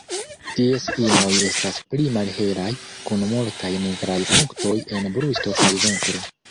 Ties inoj estas pli malhelaj, kun multaj nigraj punktoj en brusto kaj ventro.